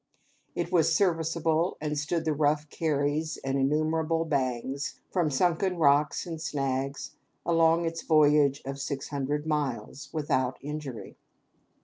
It was serviceable, and stood the rough carries and innumerable bangs from sunken rocks and snags along its voyage of six hundred miles, without injury.